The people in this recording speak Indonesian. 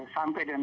sampai dan kami